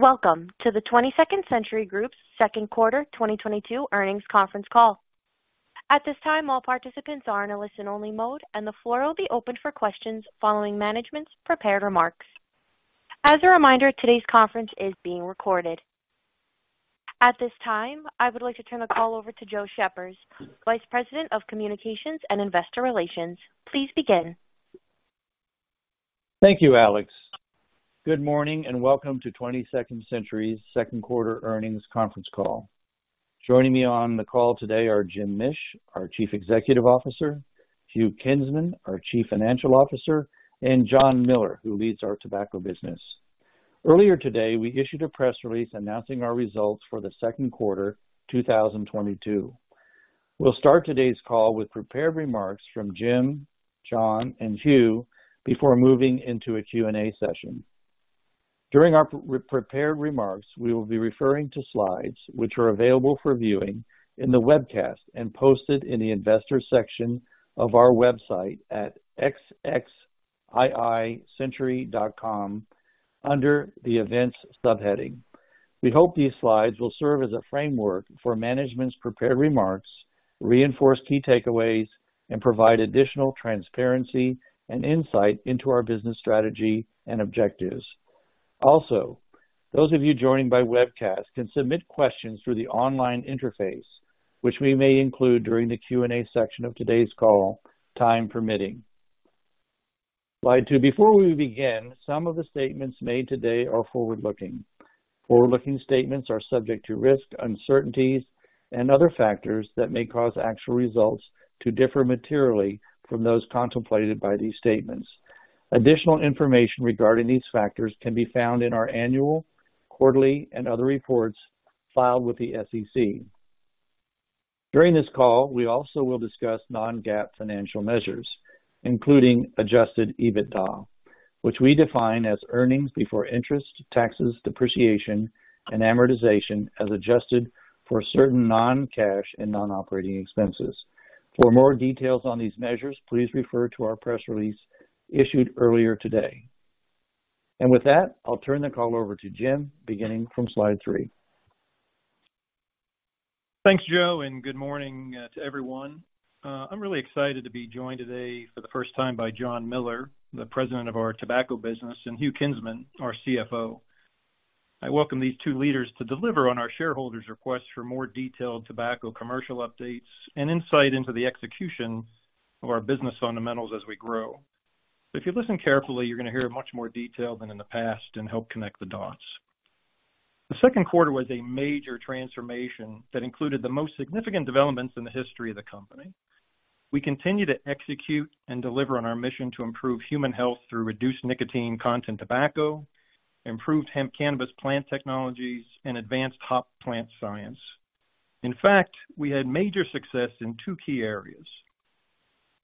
Welcome to the 22nd Century Group's second quarter 2022 earnings conference call. At this time, all participants are in a listen-only mode, and the floor will be opened for questions following management's prepared remarks. As a reminder, today's conference is being recorded. At this time, I would like to turn the call over to Joe Schepers, Vice President of Communications and Investor Relations. Please begin. Thank you, Alex. Good morning, and welcome to 22nd Century Group's second quarter earnings conference call. Joining me on the call today are Jim Mish, our Chief Executive Officer, Hugh Kinsman, our Chief Financial Officer, and John Miller, who leads our tobacco business. Earlier today, we issued a press release announcing our results for the second quarter 2022. We'll start today's call with prepared remarks from Jim, John, and Hugh before moving into a Q&A session. During our prepared remarks, we will be referring to slides which are available for viewing in the webcast and posted in the investor section of our website at xxiicentury.com under the Events subheading. We hope these slides will serve as a framework for management's prepared remarks, reinforce key takeaways, and provide additional transparency and insight into our business strategy and objectives. Those of you joining by webcast can submit questions through the online interface, which we may include during the Q&A section of today's call, time permitting. Slide two. Before we begin, some of the statements made today are forward-looking. Forward-looking statements are subject to risks, uncertainties, and other factors that may cause actual results to differ materially from those contemplated by these statements. Additional information regarding these factors can be found in our annual, quarterly, and other reports filed with the SEC. During this call, we also will discuss non-GAAP financial measures, including adjusted EBITDA, which we define as earnings before interest, taxes, depreciation, and amortization, as adjusted for certain non-cash and non-operating expenses. For more details on these measures, please refer to our press release issued earlier today. With that, I'll turn the call over to Jim, beginning from slide three. Thanks, Joe, and good morning to everyone. I'm really excited to be joined today for the first time by John Miller, the President of our tobacco business, and Hugh Kinsman, our CFO. I welcome these two leaders to deliver on our shareholders' request for more detailed tobacco commercial updates and insight into the execution of our business fundamentals as we grow. If you listen carefully, you're gonna hear much more detail than in the past and help connect the dots. The second quarter was a major transformation that included the most significant developments in the history of the company. We continue to execute and deliver on our mission to improve human health through reduced nicotine content tobacco, improved hemp cannabis plant technologies, and advanced hop plant science. In fact, we had major success in two key areas.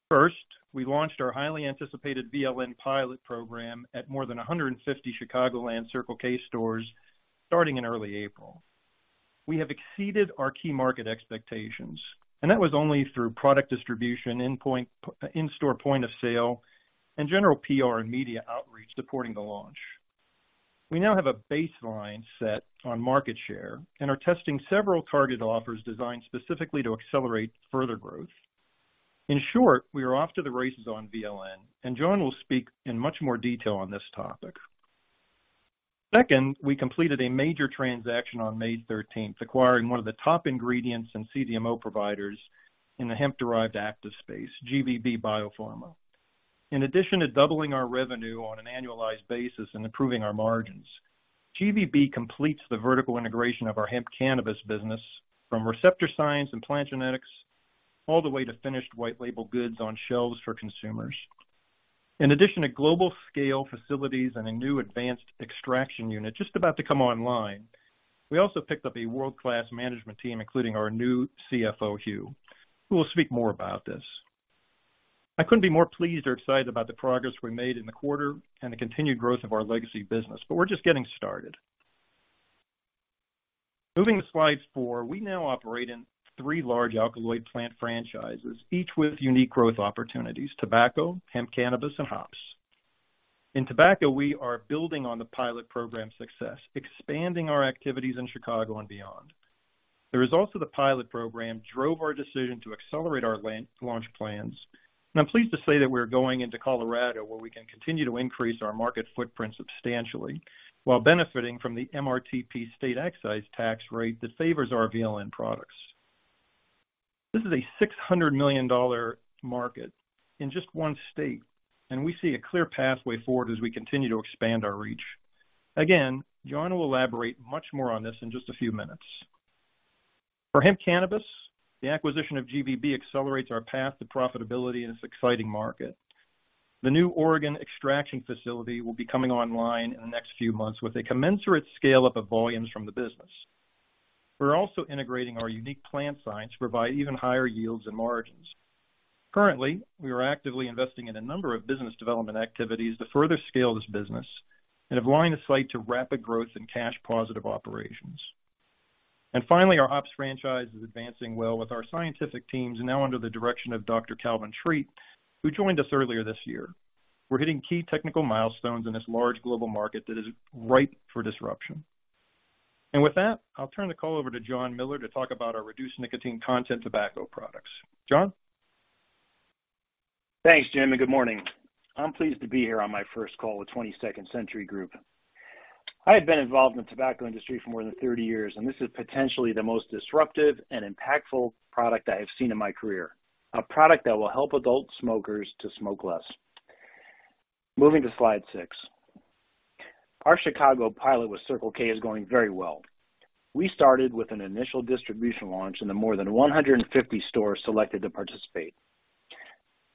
First, we launched our highly anticipated VLN pilot program at more than 150 Chicagoland Circle K stores starting in early April. We have exceeded our key market expectations, and that was only through product distribution, in-store point of sale, and general PR and media outreach supporting the launch. We now have a baseline set on market share and are testing several targeted offers designed specifically to accelerate further growth. In short, we are off to the races on VLN, and John will speak in much more detail on this topic. Second, we completed a major transaction on May thirteenth, acquiring one of the top ingredients and CDMO providers in the hemp-derived actives space, GVB Biopharma. In addition to doubling our revenue on an annualized basis and improving our margins, GVB completes the vertical integration of our hemp cannabis business from receptor science and plant genetics all the way to finished white label goods on shelves for consumers. In addition to global scale facilities and a new advanced extraction unit just about to come online, we also picked up a world-class management team, including our new CFO, Hugh, who will speak more about this. I couldn't be more pleased or excited about the progress we made in the quarter and the continued growth of our legacy business, but we're just getting started. Moving to slide four. We now operate in three large alkaloid plant franchises, each with unique growth opportunities, tobacco, hemp cannabis, and hops. In tobacco, we are building on the pilot program success, expanding our activities in Chicago and beyond. The results of the pilot program drove our decision to accelerate our launch plans, and I'm pleased to say that we're going into Colorado, where we can continue to increase our market footprint substantially while benefiting from the MRTP state excise tax rate that favors our VLN products. This is a $600 million market in just one state, and we see a clear pathway forward as we continue to expand our reach. Again, John will elaborate much more on this in just a few minutes. For hemp cannabis, the acquisition of GVB accelerates our path to profitability in this exciting market. The new Oregon extraction facility will be coming online in the next few months with a commensurate scale-up of volumes from the business. We're also integrating our unique plant science to provide even higher yields and margins. Currently, we are actively investing in a number of business development activities to further scale this business and align the site to rapid growth in cash positive operations. Finally, our ops franchise is advancing well with our scientific teams now under the direction of Dr. Calvin Treat, who joined us earlier this year. We're hitting key technical milestones in this large global market that is ripe for disruption. With that, I'll turn the call over to John Miller to talk about our reduced nicotine content tobacco products. John? Thanks, Jim, and good morning. I'm pleased to be here on my first call with 22nd Century Group. I have been involved in the tobacco industry for more than 30 years, and this is potentially the most disruptive and impactful product I have seen in my career. A product that will help adult smokers to smoke less. Moving to slide six. Our Chicago pilot with Circle K is going very well. We started with an initial distribution launch in the more than 150 stores selected to participate,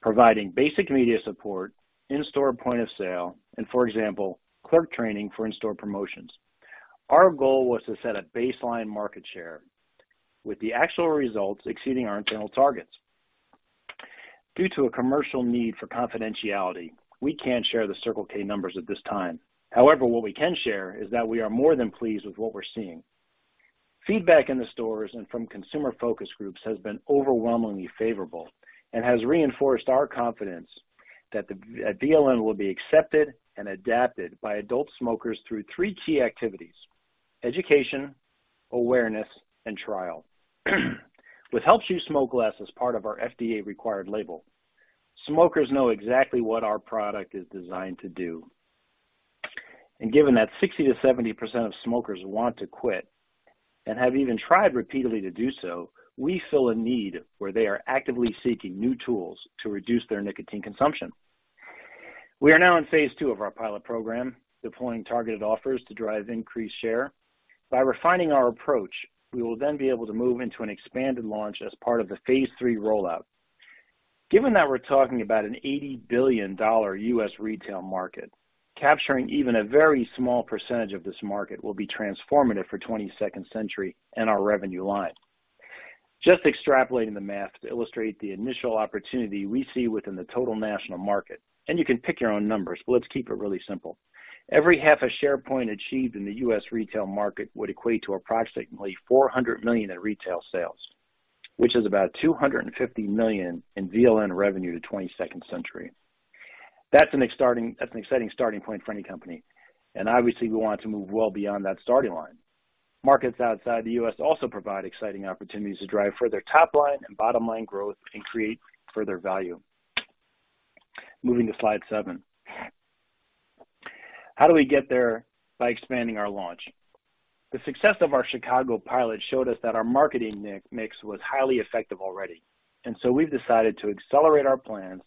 providing basic media support, in-store point of sale, and for example, clerk training for in-store promotions. Our goal was to set a baseline market share with the actual results exceeding our internal targets. Due to a commercial need for confidentiality, we can't share the Circle K numbers at this time. However, what we can share is that we are more than pleased with what we're seeing. Feedback in the stores and from consumer focus groups has been overwhelmingly favorable and has reinforced our confidence that the VLN will be accepted and adapted by adult smokers through three key activities, education, awareness, and trial. With Helps You Smoke Less as part of our FDA required label, smokers know exactly what our product is designed to do. Given that 60%-70% of smokers want to quit and have even tried repeatedly to do so, we fill a need where they are actively seeking new tools to reduce their nicotine consumption. We are now in phase II of our pilot program, deploying targeted offers to drive increased share. By refining our approach, we will then be able to move into an expanded launch as part of the phase III rollout. Given that we're talking about an $80 billion U.S. retail market, capturing even a very small percentage of this market will be transformative for 22nd Century Group and our revenue line. Just extrapolating the math to illustrate the initial opportunity we see within the total national market, and you can pick your own numbers, but let's keep it really simple. Every 0.5 share point achieved in the U.S. retail market would equate to approximately $400 million in retail sales, which is about $250 million in VLN revenue to 22nd Century Group. That's an exciting starting point for any company, and obviously we want to move well beyond that starting line. Markets outside the U.S. also provide exciting opportunities to drive further top line and bottom line growth and create further value. Moving to slide seven. How do we get there? By expanding our launch. The success of our Chicago pilot showed us that our marketing mix was highly effective already, and so we've decided to accelerate our plans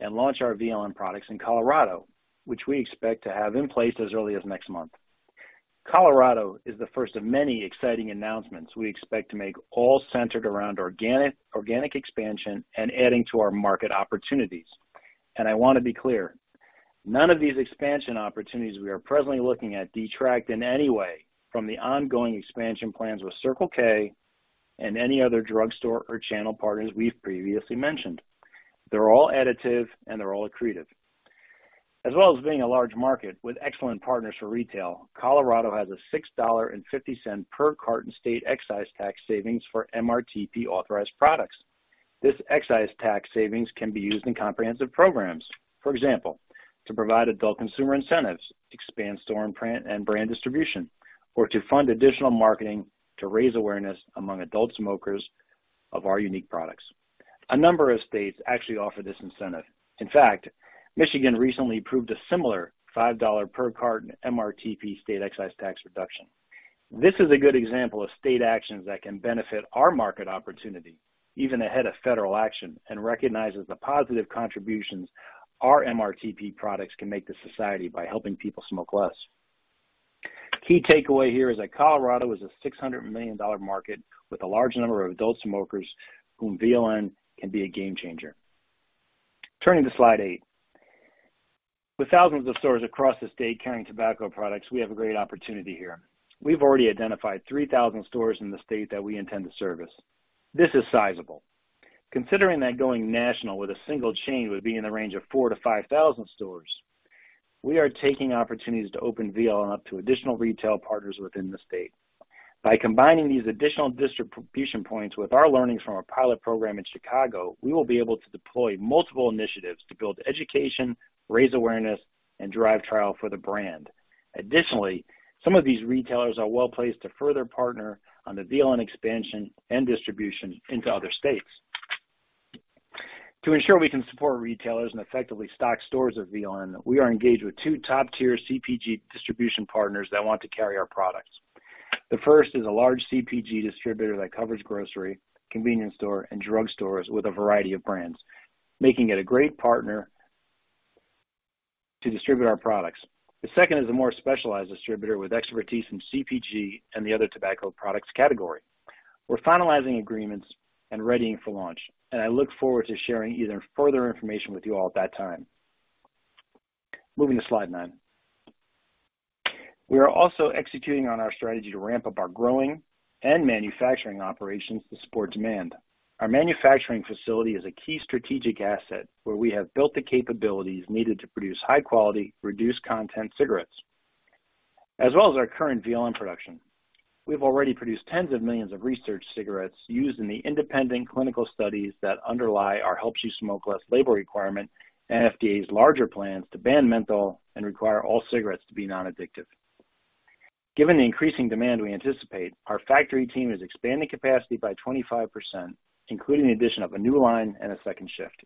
and launch our VLN products in Colorado, which we expect to have in place as early as next month. Colorado is the first of many exciting announcements we expect to make, all centered around organic expansion and adding to our market opportunities. I want to be clear. None of these expansion opportunities we are presently looking at detract in any way from the ongoing expansion plans with Circle K and any other drugstore or channel partners we've previously mentioned. They're all additive, and they're all accretive. As well as being a large market with excellent partners for retail, Colorado has a $6.50 per carton state excise tax savings for MRTP authorized products. This excise tax savings can be used in comprehensive programs, for example, to provide adult consumer incentives, expand store and brand distribution, or to fund additional marketing to raise awareness among adult smokers of our unique products. A number of states actually offer this incentive. In fact, Michigan recently approved a similar $5 per carton MRTP state excise tax reduction. This is a good example of state actions that can benefit our market opportunity even ahead of federal action, and recognizes the positive contributions our MRTP products can make to society by helping people smoke less. Key takeaway here is that Colorado is a $600 million market with a large number of adult smokers whom VLN can be a game changer. Turning to slide eight. With thousands of stores across the state carrying tobacco products, we have a great opportunity here. We've already identified 3,000 stores in the state that we intend to service. This is sizable. Considering that going national with a single chain would be in the range of 4,000-5,000 stores, we are taking opportunities to open VLN up to additional retail partners within the state. By combining these additional distribution points with our learnings from our pilot program in Chicago, we will be able to deploy multiple initiatives to build education, raise awareness, and drive trial for the brand. Additionally, some of these retailers are well-placed to further partner on the VLN expansion and distribution into other states. To ensure we can support retailers and effectively stock stores with VLN, we are engaged with two top-tier CPG distribution partners that want to carry our products. The first is a large CPG distributor that covers grocery, convenience store, and drugstores with a variety of brands, making it a great partner to distribute our products. The second is a more specialized distributor with expertise in CPG and the other tobacco products category. We're finalizing agreements and readying for launch, and I look forward to sharing either further information with you all at that time. Moving to slide nine. We are also executing on our strategy to ramp up our growing and manufacturing operations to support demand. Our manufacturing facility is a key strategic asset where we have built the capabilities needed to produce high quality, reduced-nicotine cigarettes, as well as our current VLN production. We've already produced tens of millions of research cigarettes used in the independent clinical studies that underlie our Helps You Smoke Less label requirement and FDA's larger plans to ban menthol and require all cigarettes to be non-addictive. Given the increasing demand we anticipate, our factory team is expanding capacity by 25%, including the addition of a new line and a second shift.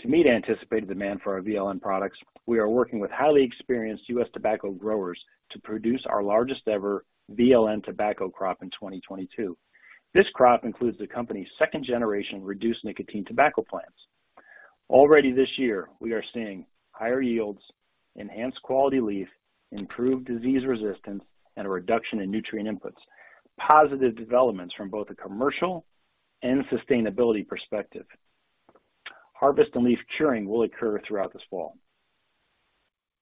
To meet anticipated demand for our VLN products, we are working with highly experienced U.S. tobacco growers to produce our largest ever VLN tobacco crop in 2022. This crop includes the company's second generation reduced nicotine tobacco plants. Already this year, we are seeing higher yields, enhanced quality leaf, improved disease resistance, and a reduction in nutrient inputs. Positive developments from both a commercial and sustainability perspective. Harvest and leaf curing will occur throughout this fall.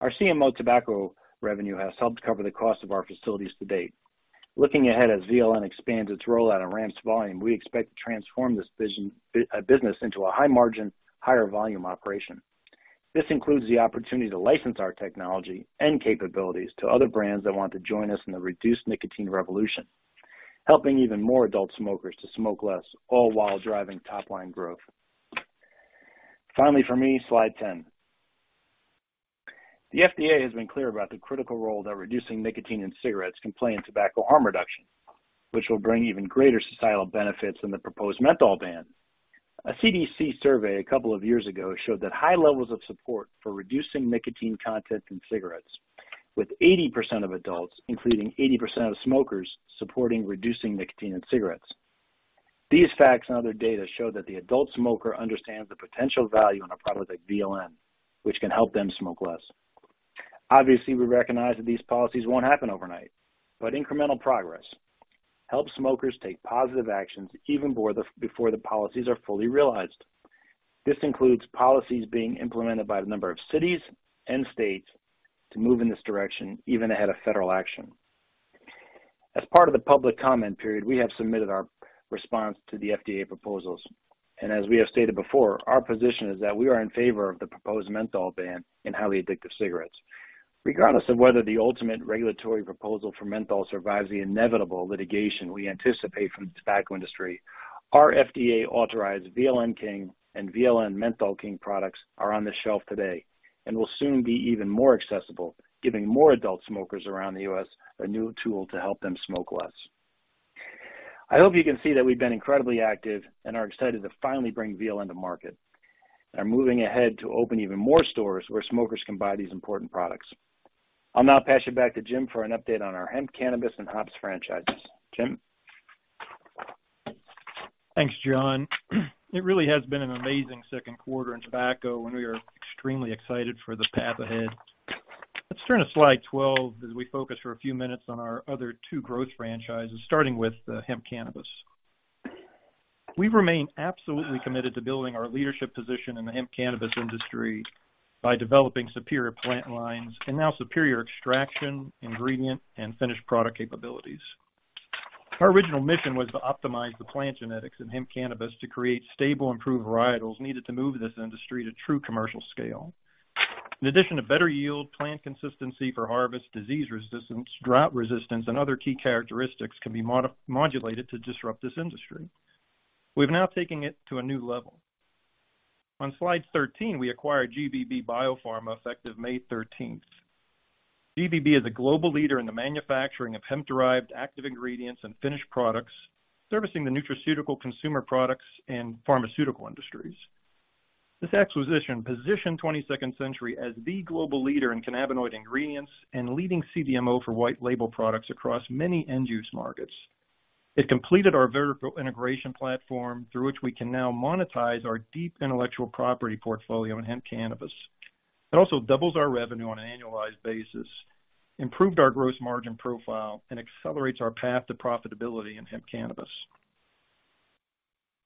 Our CMO tobacco revenue has helped cover the cost of our facilities to date. Looking ahead, as VLN expands its rollout and ramps volume, we expect to transform this vision business into a high margin, higher volume operation. This includes the opportunity to license our technology and capabilities to other brands that want to join us in the reduced nicotine revolution, helping even more adult smokers to smoke less, all while driving top line growth. Finally for me, slide 10. The FDA has been clear about the critical role that reducing nicotine in cigarettes can play in tobacco harm reduction, which will bring even greater societal benefits than the proposed menthol ban. A CDC survey a couple of years ago showed that high levels of support for reducing nicotine content in cigarettes, with 80% of adults, including 80% of smokers, supporting reducing nicotine in cigarettes. These facts and other data show that the adult smoker understands the potential value in a product like VLN, which can help them smoke less. Obviously, we recognize that these policies won't happen overnight, but incremental progress helps smokers take positive actions even before the policies are fully realized. This includes policies being implemented by the number of cities and states to move in this direction even ahead of federal action. As part of the public comment period, we have submitted our response to the FDA proposals, and as we have stated before, our position is that we are in favor of the proposed menthol ban in highly addictive cigarettes. Regardless of whether the ultimate regulatory proposal for menthol survives the inevitable litigation we anticipate from the tobacco industry, our FDA authorized VLN King and VLN Menthol King products are on the shelf today and will soon be even more accessible, giving more adult smokers around the U.S. a new tool to help them smoke less. I hope you can see that we've been incredibly active and are excited to finally bring VLN to market, and are moving ahead to open even more stores where smokers can buy these important products. I'll now pass you back to Jim for an update on our hemp, cannabis and hops franchises. Jim? Thanks, John. It really has been an amazing second quarter in tobacco, and we are extremely excited for the path ahead. Let's turn to slide 12 as we focus for a few minutes on our other two growth franchises, starting with hemp cannabis. We remain absolutely committed to building our leadership position in the hemp cannabis industry by developing superior plant lines and now superior extraction, ingredient, and finished product capabilities. Our original mission was to optimize the plant genetics in hemp cannabis to create stable, improved varietals needed to move this industry to true commercial scale. In addition to better yield, plant consistency for harvest, disease resistance, drought resistance, and other key characteristics can be modulated to disrupt this industry. We've now taken it to a new level. On slide 13, we acquired GVB Biopharma, effective May 13. GVB is a global leader in the manufacturing of hemp-derived active ingredients and finished products, servicing the nutraceutical consumer products and pharmaceutical industries. This acquisition positioned 22nd Century Group as the global leader in cannabinoid ingredients and leading CDMO for white label products across many end use markets. It completed our vertical integration platform, through which we can now monetize our deep intellectual property portfolio in hemp cannabis. It also doubles our revenue on an annualized basis, improved our gross margin profile, and accelerates our path to profitability in hemp cannabis.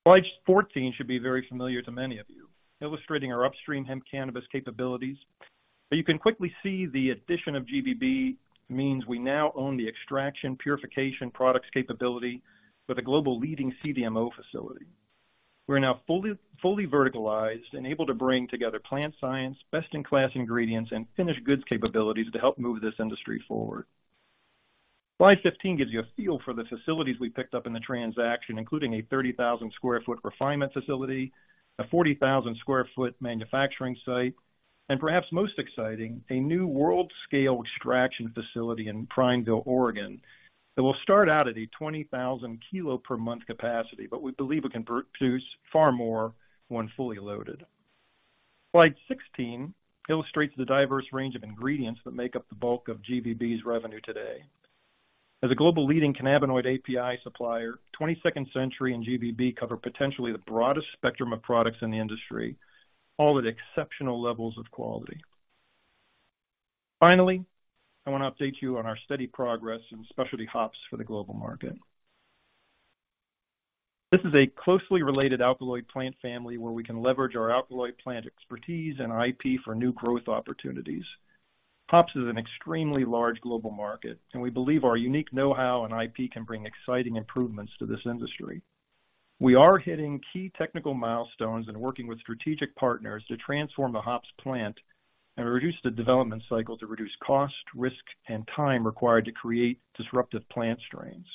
Slide 14 should be very familiar to many of you, illustrating our upstream hemp cannabis capabilities. You can quickly see the addition of GVB means we now own the extraction, purification, products capability with a global leading CDMO facility. We're now fully verticalized and able to bring together plant science, best in class ingredients, and finished goods capabilities to help move this industry forward. Slide 15 gives you a feel for the facilities we picked up in the transaction, including a 30,000 sq ft refinement facility, a 40,000 sq ft manufacturing site, and perhaps most exciting, a new world scale extraction facility in Prineville, Oregon, that will start out at a 20,000 kg per month capacity, but we believe it can produce far more when fully loaded. Slide 16 illustrates the diverse range of ingredients that make up the bulk of GVB's revenue today. As a global leading cannabinoid API supplier, 22nd Century and GVB cover potentially the broadest spectrum of products in the industry, all at exceptional levels of quality. Finally, I want to update you on our steady progress in specialty hops for the global market. This is a closely related alkaloid plant family where we can leverage our alkaloid plant expertise and IP for new growth opportunities. Hops is an extremely large global market, and we believe our unique know-how and IP can bring exciting improvements to this industry. We are hitting key technical milestones and working with strategic partners to transform the hops plant and reduce the development cycle to reduce cost, risk, and time required to create disruptive plant strains.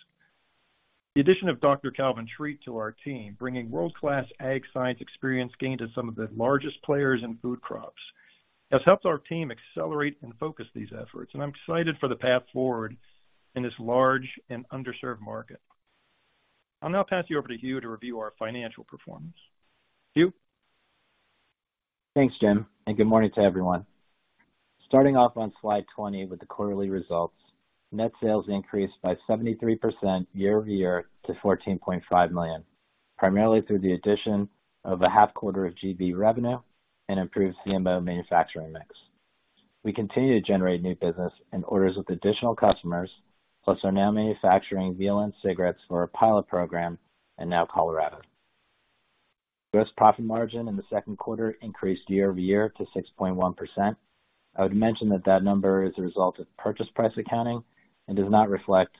The addition of Dr. Calvin Treat to our team, bringing world-class ag science experience gained at some of the largest players in food crops, has helped our team accelerate and focus these efforts. I'm excited for the path forward in this large and underserved market. I'll now pass you over to Hugh to review our financial performance. Hugh? Thanks, Jim, and good morning to everyone. Starting off on slide 20 with the quarterly results. Net sales increased by 73% year-over-year to $14.5 million, primarily through the addition of a half quarter of GVB revenue and improved CMO manufacturing mix. We continue to generate new business and orders with additional customers, plus are now manufacturing VLN cigarettes for a pilot program in Colorado now. Gross profit margin in the second quarter increased year-over-year to 6.1%. I would mention that that number is a result of purchase price accounting and does not reflect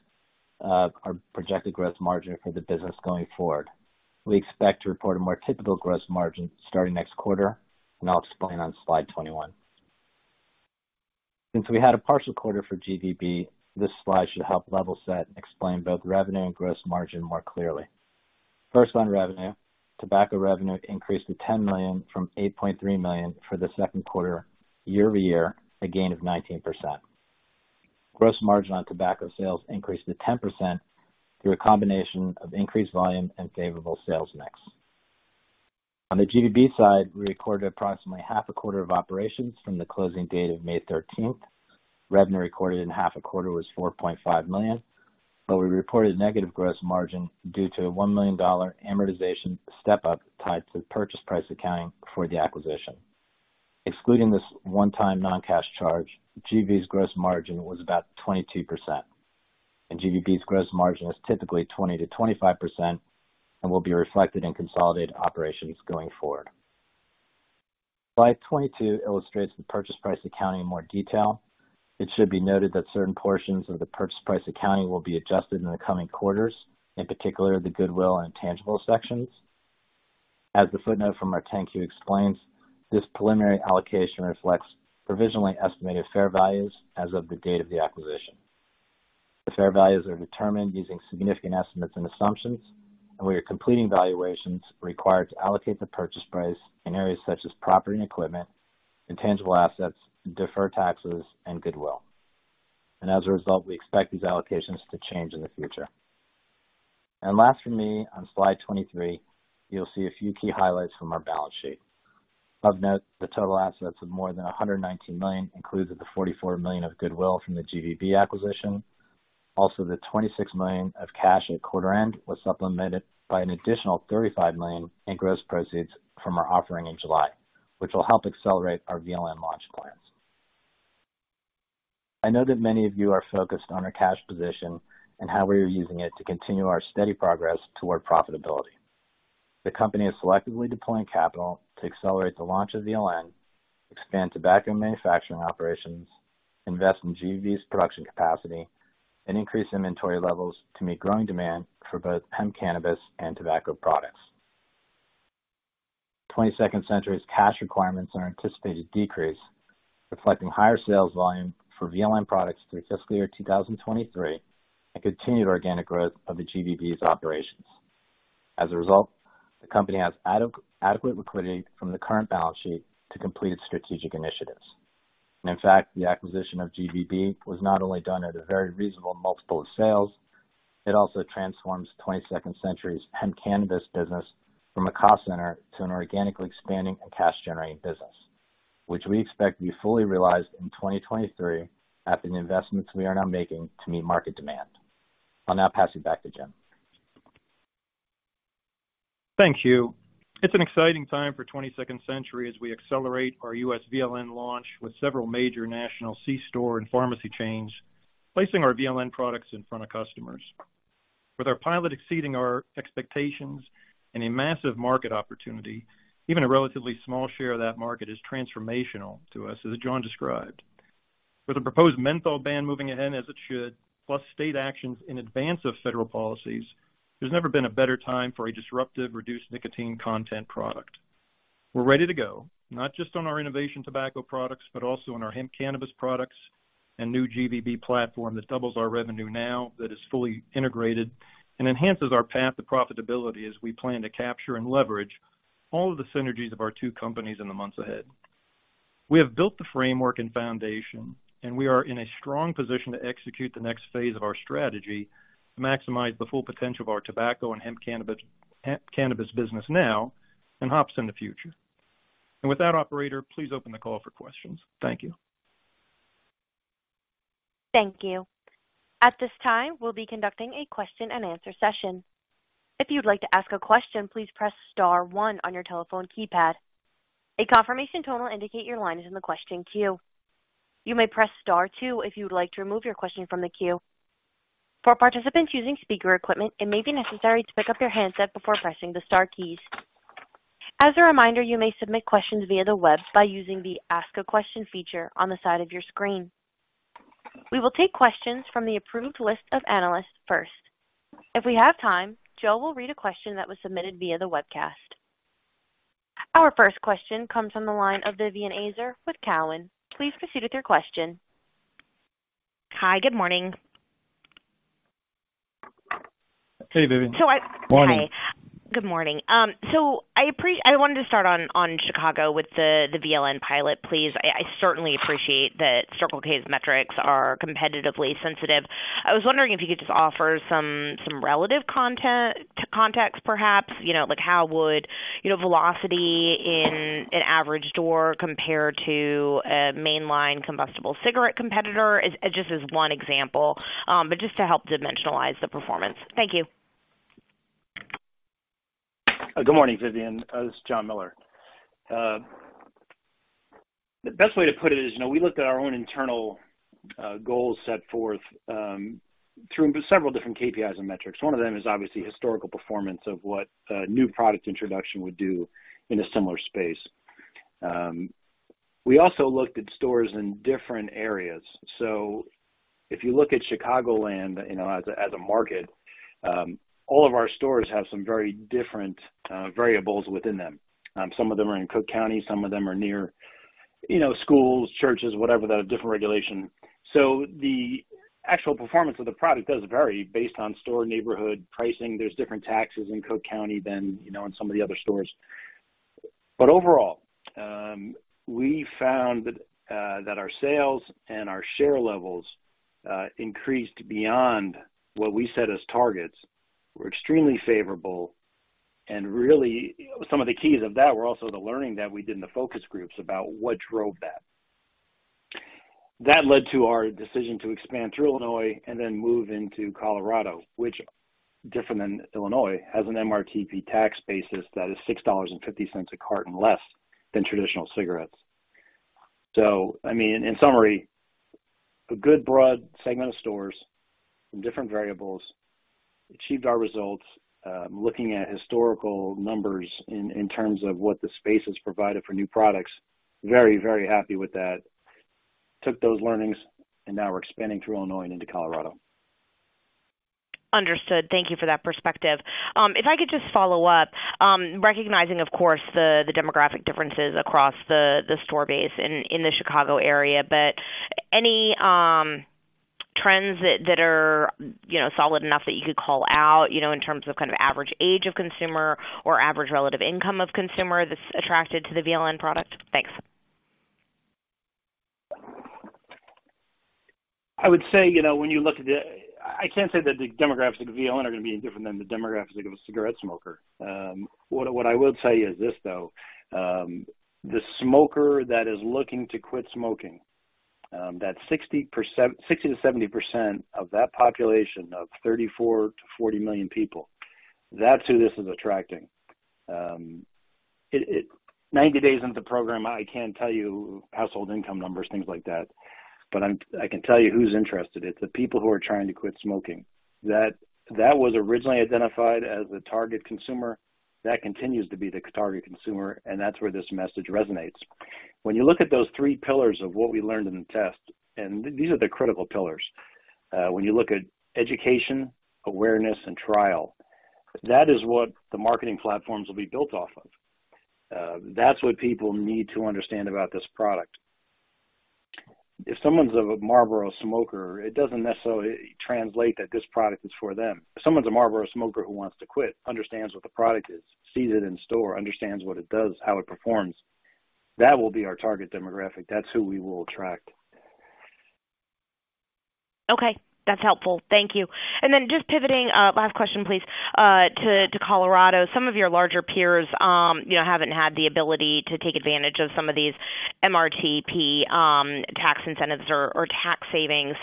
our projected gross margin for the business going forward. We expect to report a more typical gross margin starting next quarter, and I'll explain on slide 21. Since we had a partial quarter for GVB, this slide should help level set and explain both revenue and gross margin more clearly. First on revenue. Tobacco revenue increased to $10 million from $8.3 million for the second quarter year-over-year, a gain of 19%. Gross margin on tobacco sales increased to 10% through a combination of increased volume and favorable sales mix. On the GVB side, we recorded approximately half a quarter of operations from the closing date of May thirteenth. Revenue recorded in half a quarter was $4.5 million. But we reported negative gross margin due to a $1 million amortization step up tied to purchase price accounting for the acquisition. Excluding this one-time non-cash charge, GVB's gross margin was about 22%. GVB's gross margin is typically 20%-25% and will be reflected in consolidated operations going forward. Slide 22 illustrates the purchase price accounting in more detail. It should be noted that certain portions of the purchase price accounting will be adjusted in the coming quarters, in particular the goodwill and intangible sections. As the footnote from our 10-Q explains, this preliminary allocation reflects provisionally estimated fair values as of the date of the acquisition. The fair values are determined using significant estimates and assumptions, and we are completing valuations required to allocate the purchase price in areas such as property and equipment, intangible assets, deferred taxes and goodwill. As a result, we expect these allocations to change in the future. Last for me, on slide 23, you'll see a few key highlights from our balance sheet. Of note, the total assets of more than $119 million includes the $44 million of goodwill from the GVB acquisition. The $26 million of cash at quarter end was supplemented by an additional $35 million in gross proceeds from our offering in July, which will help accelerate our VLN launch plans. I know that many of you are focused on our cash position and how we are using it to continue our steady progress toward profitability. The company is selectively deploying capital to accelerate the launch of VLN, expand tobacco manufacturing operations, invest in GVB's production capacity, and increase inventory levels to meet growing demand for both hemp, cannabis, and tobacco products. 22nd Century Group's cash requirements are anticipated to decrease, reflecting higher sales volume for VLN products through fiscal year 2023, and continued organic growth of the GVB's operations. As a result, the company has adequate liquidity from the current balance sheet to complete its strategic initiatives. In fact, the acquisition of GVB was not only done at a very reasonable multiple of sales, it also transforms 22nd Century Group's hemp cannabis business from a cost center to an organically expanding and cash generating business, which we expect to be fully realized in 2023 after the investments we are now making to meet market demand. I'll now pass it back to Jim. Thank you. It's an exciting time for 22nd Century Group as we accelerate our U.S. VLN launch with several major national C-store and pharmacy chains, placing our VLN products in front of customers. With our pilot exceeding our expectations and a massive market opportunity, even a relatively small share of that market is transformational to us, as John described. With the proposed menthol ban moving ahead as it should, plus state actions in advance of federal policies, there's never been a better time for a disruptive, reduced nicotine content product. We're ready to go, not just on our innovation tobacco products, but also on our hemp cannabis products and new GVB platform that doubles our revenue now that is fully integrated and enhances our path to profitability as we plan to capture and leverage all of the synergies of our two companies in the months ahead. We have built the framework and foundation, and we are in a strong position to execute the next phase of our strategy to maximize the full potential of our tobacco and hemp cannabis business now and hops in the future. With that, operator, please open the call for questions. Thank you. Thank you. At this time, we'll be conducting a question and answer session. If you'd like to ask a question, please press star one on your telephone keypad. A confirmation tone will indicate your line is in the question queue. You may press star two if you would like to remove your question from the queue. For participants using speaker equipment, it may be necessary to pick up your handset before pressing the star keys. As a reminder, you may submit questions via the web by using the ask a question feature on the side of your screen. We will take questions from the approved list of analysts first. If we have time, Joe will read a question that was submitted via the webcast. Our first question comes from the line of Vivien Azer with Cowen. Please proceed with your question. Hi, good morning. Hey, Vivien. Morning. Hi, good morning. I wanted to start on Chicago with the VLN pilot, please. I certainly appreciate that Circle K's metrics are competitively sensitive. I was wondering if you could just offer some relative context, perhaps. You know, like, how would velocity in an average door compare to a mainline combustible cigarette competitor? Just as one example, but just to help dimensionalize the performance. Thank you. Good morning, Vivien. This is John Miller. The best way to put it is, you know, we looked at our own internal goals set forth through several different KPIs and metrics. One of them is obviously historical performance of what a new product introduction would do in a similar space. We also looked at stores in different areas. If you look at Chicagoland, you know, as a market, all of our stores have some very different variables within them. Some of them are in Cook County, some of them are near, you know, schools, churches, whatever, that have different regulation. The actual performance of the product does vary based on store neighborhood pricing. There's different taxes in Cook County than, you know, in some of the other stores. Overall, we found that our sales and our share levels increased beyond what we set as targets. We're extremely favorable. Really some of the keys of that were also the learning that we did in the focus groups about what drove that. That led to our decision to expand through Illinois and then move into Colorado, which different than Illinois, has an MRTP tax basis that is $6.50 a carton less than traditional cigarettes. I mean, in summary, a good broad segment of stores from different variables achieved our results. Looking at historical numbers in terms of what the space has provided for new products, very, very happy with that. Took those learnings, and now we're expanding through Illinois into Colorado. Understood. Thank you for that perspective. If I could just follow up, recognizing, of course, the demographic differences across the store base in the Chicago area, but any trends that are, you know, solid enough that you could call out, you know, in terms of kind of average age of consumer or average relative income of consumer that's attracted to the VLN product? Thanks. I would say, you know, when you look at the I can't say that the demographics of VLN are going to be any different than the demographics of a cigarette smoker. What I will tell you is this, though, the smoker that is looking to quit smoking, that 60%-70% of that population of 34 million-40 million people, that's who this is attracting. It ninety days into the program, I can't tell you household income numbers, things like that, but I can tell you who's interested. It's the people who are trying to quit smoking. That was originally identified as the target consumer. That continues to be the target consumer. That's where this message resonates. When you look at those three pillars of what we learned in the test, and these are the critical pillars, when you look at education, awareness, and trial, that is what the marketing platforms will be built off of. That's what people need to understand about this product. If someone's a Marlboro smoker, it doesn't necessarily translate that this product is for them. If someone's a Marlboro smoker who wants to quit, understands what the product is, sees it in store, understands what it does, how it performs, that will be our target demographic. That's who we will attract. Okay, that's helpful. Thank you. Just pivoting, last question, please, to Colorado. Some of your larger peers, you know, haven't had the ability to take advantage of some of these MRTP tax incentives or tax savings.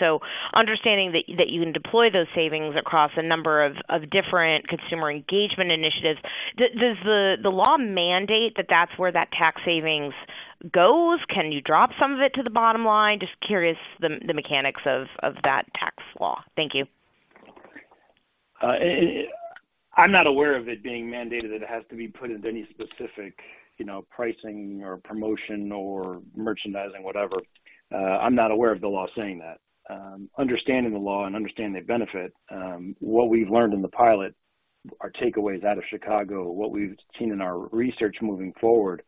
Understanding that you can deploy those savings across a number of different consumer engagement initiatives, does the law mandate that that's where that tax savings goes? Can you drop some of it to the bottom line? Just curious, the mechanics of that tax law. Thank you. I'm not aware of it being mandated that it has to be put into any specific, you know, pricing or promotion or merchandising, whatever. I'm not aware of the law saying that. Understanding the law and understanding the benefit, what we've learned in the pilot, our takeaways out of Chicago, what we've seen in our research moving forward,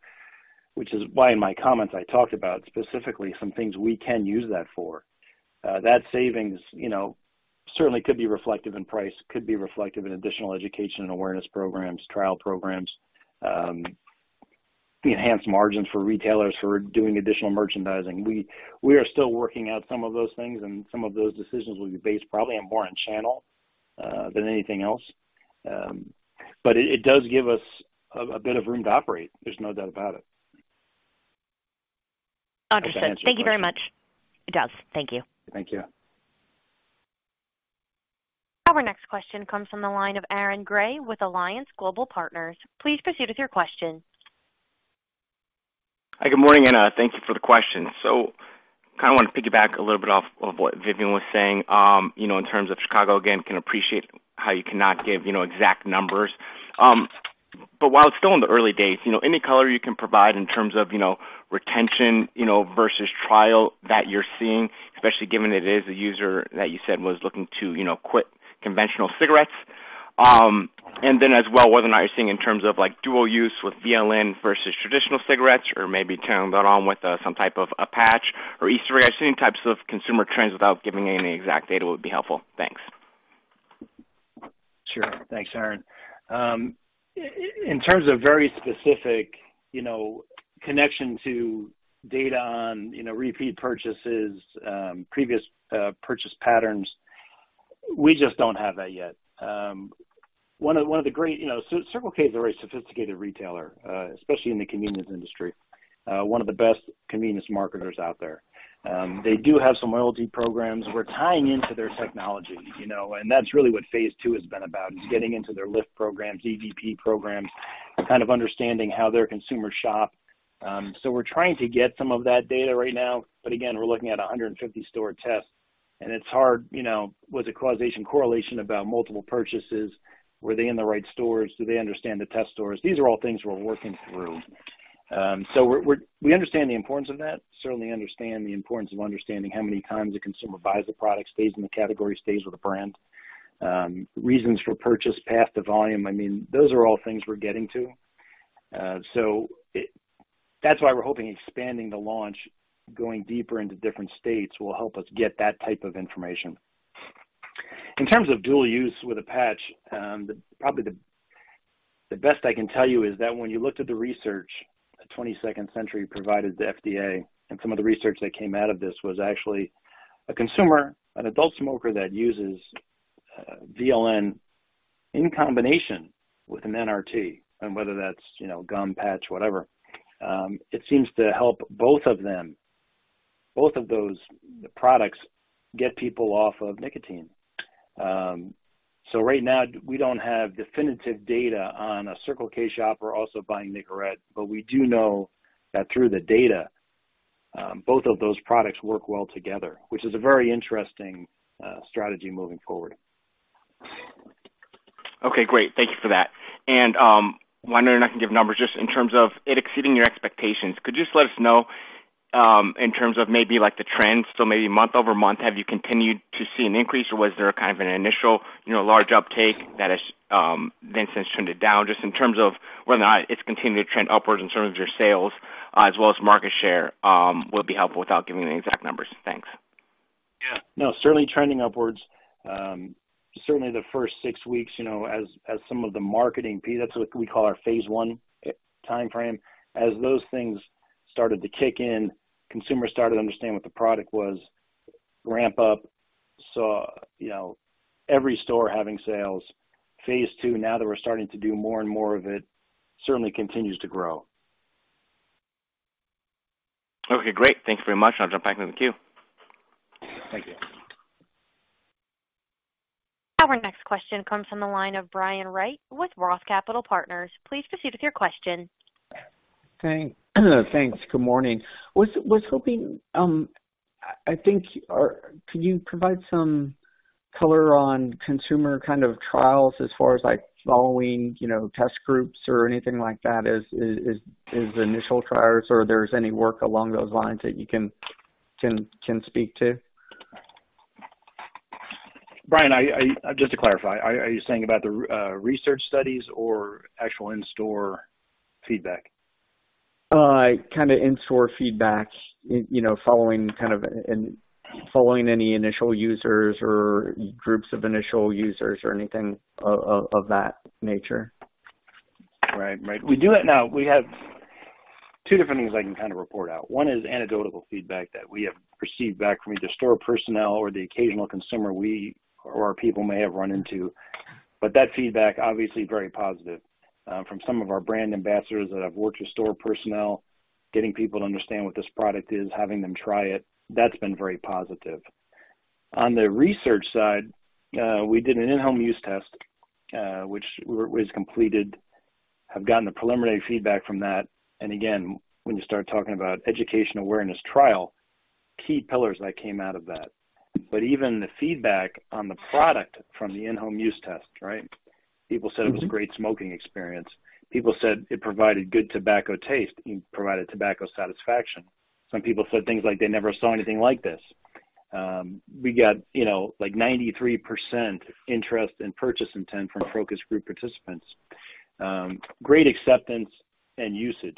which is why in my comments, I talked about specifically some things we can use that for. That savings, you know, certainly could be reflective in price, could be reflective in additional education and awareness programs, trial programs, enhanced margins for retailers who are doing additional merchandising. We are still working out some of those things, and some of those decisions will be based probably on more on channel than anything else. It does give us a bit of room to operate. There's no doubt about it. Understood. Thank you very much. It does. Thank you. Thank you. Our next question comes from the line of Aaron Grey with Alliance Global Partners. Please proceed with your question. Hi, good morning, and thank you for the question. Kind of want to piggyback a little bit off of what Vivien was saying, you know, in terms of Chicago. Again, can appreciate how you cannot give, you know, exact numbers. While it's still in the early days, you know, any color you can provide in terms of, you know, retention, you know, versus trial that you're seeing, especially given it is a user that you said was looking to, you know, quit conventional cigarettes. Then as well, whether or not you're seeing in terms of like dual use with VLN versus traditional cigarettes or maybe turning that on with some type of a patch or e-cigarette. Any types of consumer trends without giving any exact data would be helpful. Thanks. Sure. Thanks, Aaron. In terms of very specific, you know, connection to data on, you know, repeat purchases, previous purchase patterns, we just don't have that yet. One of the great, you know, so Circle K is a very sophisticated retailer, especially in the convenience industry. One of the best convenience marketers out there. They do have some loyalty programs. We're tying into their technology, you know, and that's really what phase II has been about, is getting into their lift programs, MVP programs, kind of understanding how their consumers shop. We're trying to get some of that data right now, but again, we're looking at 150 store tests, and it's hard, you know, with the causation correlation about multiple purchases. Were they in the right stores? Do they understand the test stores? These are all things we're working through. We understand the importance of that, certainly understand the importance of understanding how many times a consumer buys a product, stays in the category, stays with a brand. Reasons for purchase, path to volume. I mean, those are all things we're getting to. That's why we're hoping expanding the launch, going deeper into different states, will help us get that type of information. In terms of dual use with a patch, probably the best I can tell you is that when you looked at the research that 22nd Century provided the FDA and some of the research that came out of this was actually a consumer, an adult smoker that uses VLN in combination with an NRT, and whether that's, you know, gum patch, whatever, it seems to help both of them, both of those products get people off of nicotine. Right now we don't have definitive data on a Circle K shopper also buying Nicorette, but we do know that through the data, both of those products work well together, which is a very interesting strategy moving forward. Okay, great. Thank you for that. Wondering, I can give numbers just in terms of it exceeding your expectations. Could you just let us know in terms of maybe like the trends, so maybe month-over-month, have you continued to see an increase or was there kind of an initial, you know, large uptake that has then since trimmed it down? Just in terms of whether or not it's continued to trend upwards in terms of your sales as well as market share will be helpful without giving the exact numbers. Thanks. Yeah. No, certainly trending upwards. Certainly the first 6 weeks, you know, as some of the marketing piece, that's what we call our phase I timeframe. As those things started to kick in, consumers started to understand what the product was, ramp up, saw, you know, every store having sales. Phase II, now that we're starting to do more and more of it, certainly continues to grow. Okay, great. Thank you very much. I'll jump back in the queue. Thank you. Our next question comes from the line of Brian Wright with ROTH Capital Partners. Please proceed with your question. Thanks. Good morning. Was hoping, I think, can you provide some color on consumer kind of trials as far as like following, you know, test groups or anything like that? Is initial trials or there's any work along those lines that you can speak to? Brian, just to clarify, are you saying about the recent research studies or actual in-store feedback? Kind of in-store feedback, you know, following any initial users or groups of initial users or anything of that nature. Right. We do it now. We have two different things I can kind of report out. One is anecdotal feedback that we have received back from either store personnel or the occasional consumer we or our people may have run into. But that feedback, obviously very positive, from some of our brand ambassadors that have worked with store personnel, getting people to understand what this product is, having them try it, that's been very positive. On the research side, we did an in-home use test, which was completed, have gotten the preliminary feedback from that. Again, when you start talking about education awareness trial, key pillars that came out of that. But even the feedback on the product from the in-home use test, right? People said it was a great smoking experience. People said it provided good tobacco taste. It provided tobacco satisfaction. Some people said things like they never saw anything like this. We got, you know, like 93% interest in purchase intent from focus group participants. Great acceptance and usage.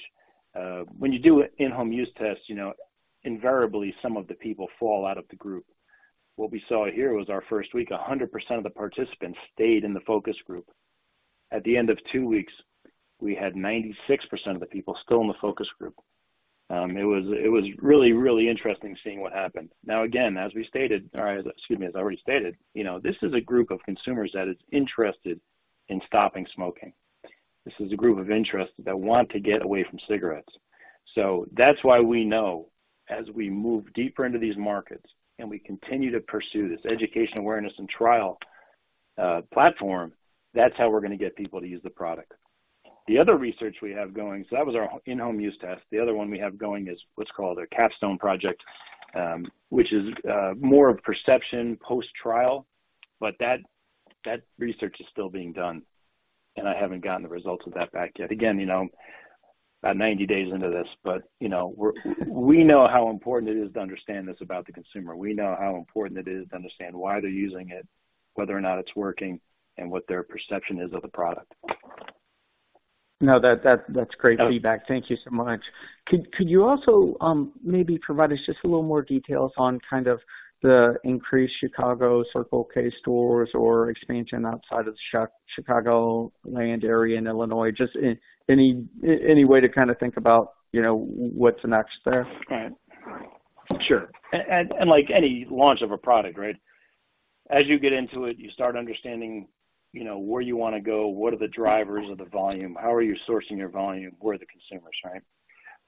When you do in-home use tests, you know, invariably some of the people fall out of the group. What we saw here was our first week, 100% of the participants stayed in the focus group. At the end of two weeks, we had 96% of the people still in the focus group. It was really interesting seeing what happened. Now, again, as I already stated, you know, this is a group of consumers that is interested in stopping smoking. This is a group of interests that want to get away from cigarettes. That's why we know, as we move deeper into these markets, and we continue to pursue this education awareness and trial platform, that's how we're gonna get people to use the product. The other research we have going, that was our in-home use test. The other one we have going is what's called a capstone project, which is more of perception post-trial. That research is still being done, and I haven't gotten the results of that back yet. Again, you know, about 90 days into this. You know, we know how important it is to understand this about the consumer. We know how important it is to understand why they're using it, whether or not it's working, and what their perception is of the product. No, that's great feedback. Thank you so much. Could you also maybe provide us just a little more details on kind of the increased Chicago Circle K stores or expansion outside of Chicagoland area in Illinois, just any way to kinda think about, you know, what's next there? Right. Sure. Like any launch of a product, right, as you get into it, you start understanding, you know, where you wanna go, what are the drivers of the volume, how are you sourcing your volume, who are the consumers, right?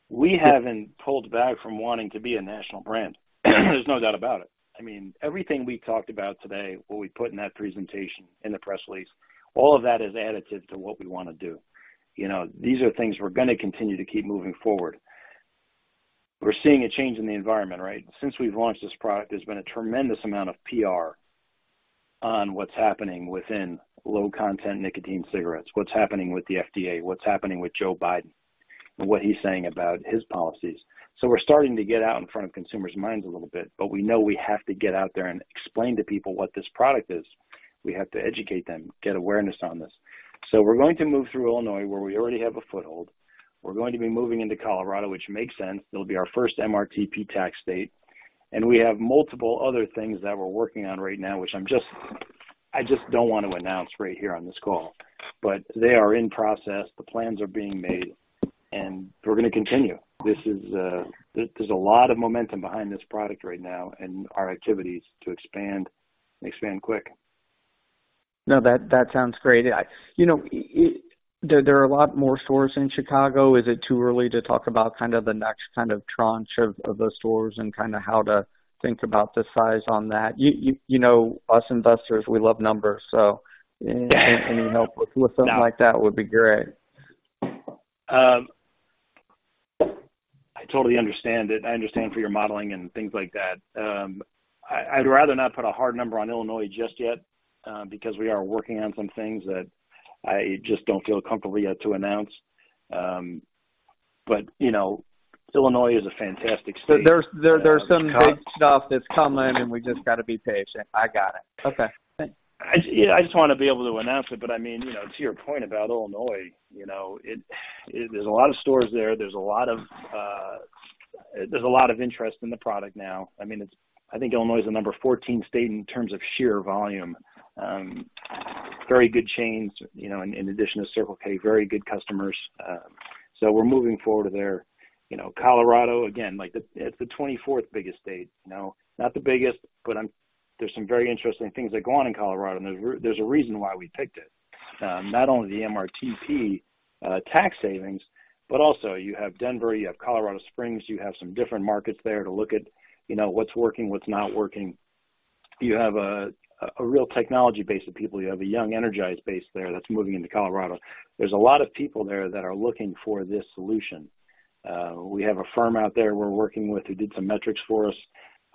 We haven't pulled back from wanting to be a national brand. There's no doubt about it. I mean, everything we talked about today, what we put in that presentation, in the press release, all of that is additive to what we wanna do. You know, these are things we're gonna continue to keep moving forward. We're seeing a change in the environment, right? Since we've launched this product, there's been a tremendous amount of PR on what's happening within low content nicotine cigarettes, what's happening with the FDA, what's happening with Joe Biden, and what he's saying about his policies. We're starting to get out in front of consumers' minds a little bit, but we know we have to get out there and explain to people what this product is. We have to educate them, get awareness on this. We're going to move through Illinois, where we already have a foothold. We're going to be moving into Colorado, which makes sense. It'll be our first MRTP tax state. We have multiple other things that we're working on right now, which I just don't want to announce right here on this call. They are in process. The plans are being made, and we're gonna continue. This is. There's a lot of momentum behind this product right now and our activities to expand and expand quick. No, that sounds great. You know, there are a lot more stores in Chicago. Is it too early to talk about kind of the next kind of tranche of those stores and kinda how to think about the size on that? You know us investors, we love numbers, so any help with something like that would be great. I totally understand it. I understand for your modeling and things like that. I'd rather not put a hard number on Illinois just yet, because we are working on some things that I just don't feel comfortable yet to announce. You know, Illinois is a fantastic state. There's some big stuff that's coming, and we just gotta be patient. I got it. Okay. Thanks. I just wanna be able to announce it. I mean, you know, to your point about Illinois, you know, there's a lot of stores there. There's a lot of interest in the product now. I mean, I think Illinois is the number 14 state in terms of sheer volume. Very good chains, you know, in addition to Circle K. Very good customers. So we're moving forward there. You know, Colorado, again, like, it's the 24th biggest state, you know, not the biggest, but there's some very interesting things that go on in Colorado, and there's a reason why we picked it. Not only the MRTP tax savings, but also you have Denver, you have Colorado Springs, you have some different markets there to look at, you know, what's working, what's not working. You have a real technology base of people. You have a young, energized base there that's moving into Colorado. There's a lot of people there that are looking for this solution. We have a firm out there we're working with who did some metrics for us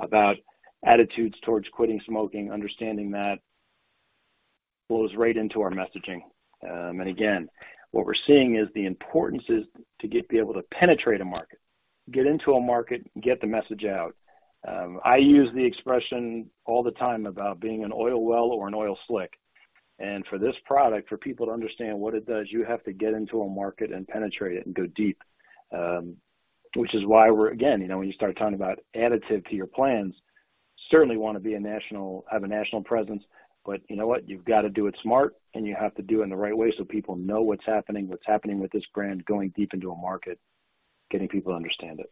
about attitudes towards quitting smoking, understanding that flows right into our messaging. What we're seeing is the importance is to be able to penetrate a market, get into a market, get the message out. I use the expression all the time about being an oil well or an oil slick. For this product, for people to understand what it does, you have to get into a market and penetrate it and go deep. Which is why we're Again, you know, when you start talking about addition to your plans, certainly wanna have a national presence. You know what? You've got to do it smart, and you have to do it in the right way so people know what's happening with this brand, going deep into a market, getting people to understand it.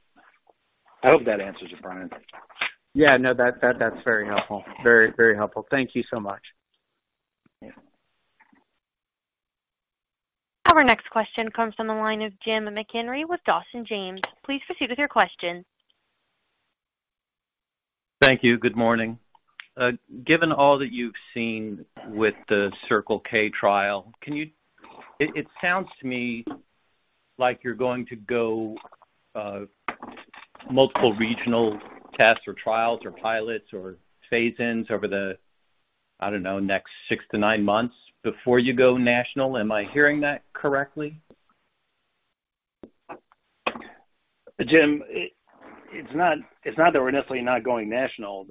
I hope that answers it, Brian. Yeah. No, that's very helpful. Very helpful. Thank you so much. Yeah. Our next question comes from the line of James McIlree with Dawson James. Please proceed with your question. Thank you. Good morning. Given all that you've seen with the Circle K trial, it sounds to me like you're going to go multiple regional tests or trials or pilots or phase-ins over the, I don't know, next six to nine months before you go national. Am I hearing that correctly? Jim, it's not that we're necessarily not going national.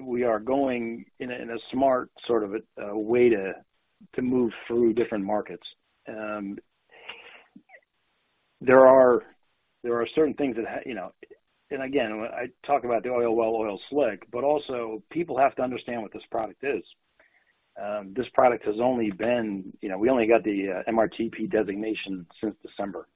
We are going in a smart sort of a way to move through different markets. There are certain things that you know, and again, I talk about the oil well, oil slick, but also people have to understand what this product is. This product has only been, we only got the MRTP designation since December.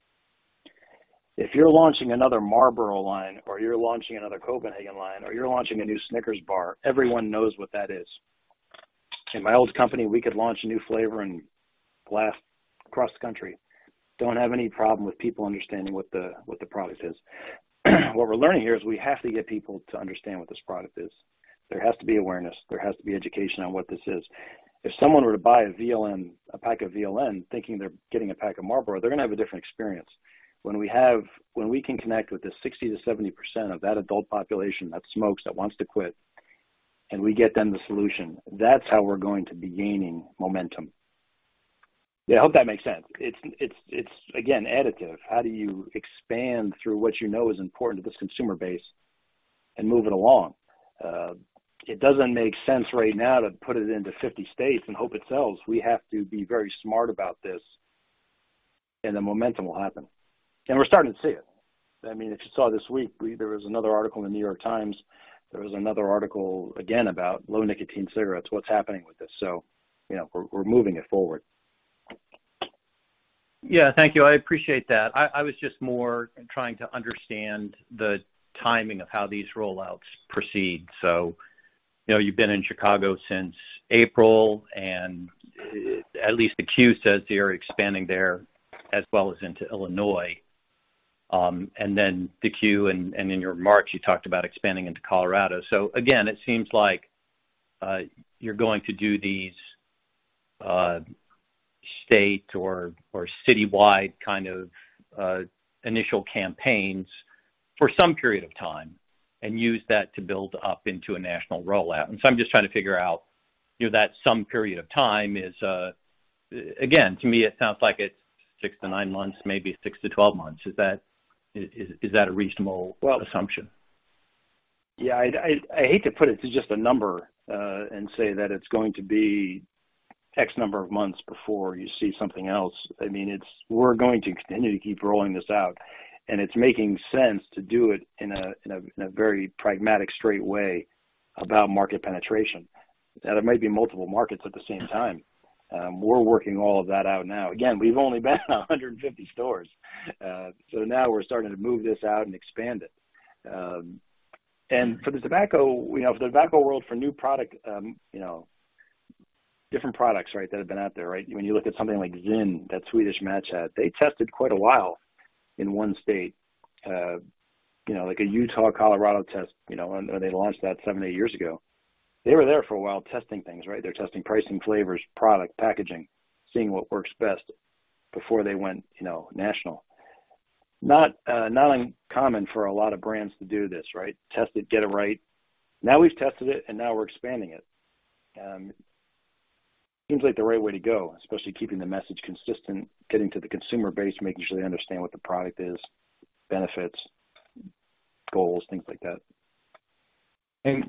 If you're launching another Marlboro line or you're launching another Copenhagen line, or you're launching a new Snickers bar, everyone knows what that is. In my old company, we could launch a new flavor and blast across the country. Don't have any problem with people understanding what the product is. What we're learning here is we have to get people to understand what this product is. There has to be awareness. There has to be education on what this is. If someone were to buy a VLN, a pack of VLN thinking they're getting a pack of Marlboro, they're gonna have a different experience. When we can connect with the 60%-70% of that adult population that smokes, that wants to quit, and we get them the solution, that's how we're going to be gaining momentum. Yeah, I hope that makes sense. It's again, additive. How do you expand through what you know is important to this consumer base and move it along? It doesn't make sense right now to put it into 50 states and hope it sells. We have to be very smart about this, and the momentum will happen. We're starting to see it. I mean, if you saw this week, there was another article in New York Times. There was another article again about low nicotine cigarettes. What's happening with this. You know, we're moving it forward. Yeah. Thank you. I appreciate that. I was just more trying to understand the timing of how these rollouts proceed. You know, you've been in Chicago since April, and at least you say you're expanding there as well as into Illinois. And then you and in your remarks, you talked about expanding into Colorado. Again, it seems like you're going to do these state or citywide kind of initial campaigns for some period of time and use that to build up into a national rollout. I'm just trying to figure out, you know, that some period of time is, again, to me it sounds like it's six to nine months, maybe six to 12 months. Is that a reasonable assumption? Yeah. I'd hate to put it to just a number and say that it's going to be X number of months before you see something else. I mean, we're going to continue to keep rolling this out, and it's making sense to do it in a very pragmatic, straight way about market penetration. Now, there might be multiple markets at the same time. We're working all of that out now. Again, we've only been in 150 stores. So now we're starting to move this out and expand it. And for the tobacco, you know, for the tobacco world, for new product, you know, different products, right, that have been out there, right? When you look at something like ZYN, that Swedish Match had, they tested quite a while in one state, you know, like a Utah, Colorado test, and they launched that seven to eight years ago. They were there for a while testing things, right? They're testing pricing, flavors, product, packaging, seeing what works best before they went, you know, national. Not, not uncommon for a lot of brands to do this, right? Test it, get it right. Now we've tested it, and now we're expanding it. Seems like the right way to go, especially keeping the message consistent, getting to the consumer base, making sure they understand what the product is, benefits, goals, things like that. Yeah,